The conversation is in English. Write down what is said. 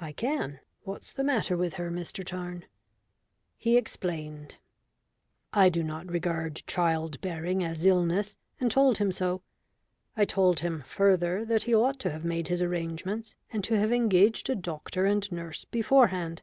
"I can. What's the matter with her, Mr Tarn?" He explained. I do not regard child bearing as illness, and told him so. I told him further that he ought to have made his arrangements and to have engaged a doctor and nurse beforehand.